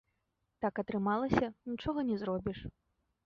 Так атрымалася, нічога не зробіш.